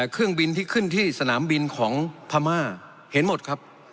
เครื่องบินที่ขึ้นที่สนามบินของพม่าเห็นหมดครับ